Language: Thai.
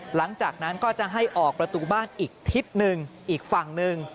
หลังจากนั้นก็จะให้ออกประตูบ้านอีกทิศหนึ่งอีกฝั่งหนึ่ง